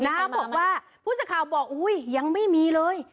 นะครับพูดสิทธิ์ข่าวบอกอุ้ยยังไม่มีเลย